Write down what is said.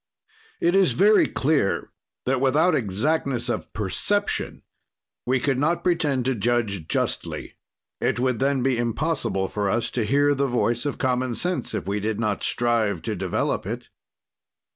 "It is very clear that without exactness of perception we could not pretend to judge justly; it would then be impossible for us to hear the voice of common sense, if we did not strive to develop it.